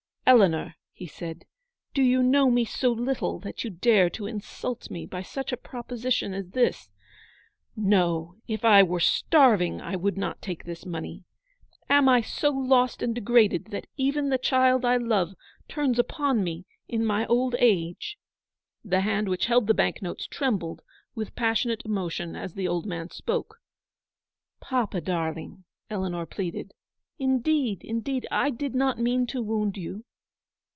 "Eleanor," he said, "do you know me so little that you dare to insult me by such a proposition as this ? No ; if I were starving I would not take this money. Am I so lost and degraded that even the child I love turns upon me in my old age?" The hand which held the bank notes trembled with passionate emotion as the old man spoke. "Papa, darling," Eleanor pleaded, "indeed, indeed, I did not mean to wound you."